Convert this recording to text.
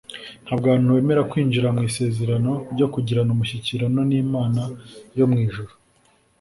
ntabwo abantu bemera kwinjira mu isezerano ryo kugirana umushyikirano n’imana yo mu ijuru